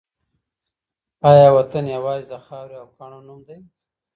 آیا وطن یوازې د خاورې او کاڼو نوم دی؟